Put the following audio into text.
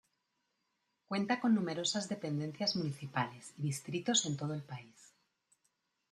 Cuenta con numerosas dependencias municipales y distritos en todo el país.